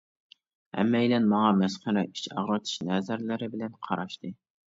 ھەممەيلەن ماڭا مەسخىرە، ئىچ ئاغرىتىش نەزەرلىرى بىلەن قاراشتى.